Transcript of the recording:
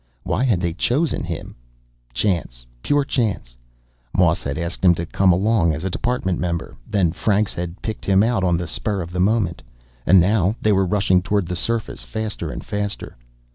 Why had they chosen him? Chance, pure chance. Moss had asked him to come along as a Department member. Then Franks had picked him out on the spur of the moment. And now they were rushing toward the surface, faster and faster.